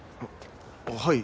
あっはい。